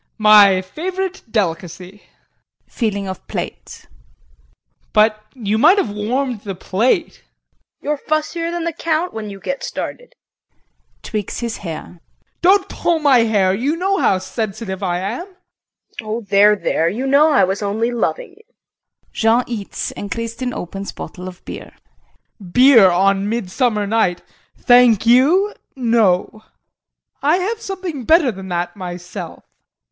My favorite delicacy. [Feeling of plate]. But you might have warmed the plate. KRISTIN. You're fussier than the Count, when you get started. [Tweaks his hair.] JEAN. Don't pull my hair! You know how sensitive I am. KRISTIN. Oh there, there! you know I was only loving you. [Jean eats, and Kristin opens bottle of beer.] JEAN. Beer on midsummer night thank you, no! I have something better than that myself.